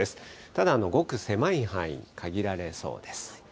ただ、ごく狭い範囲に限られそうです。